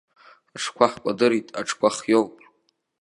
Аҽқәа ҳкәадырит, аҽқәа хиоуп!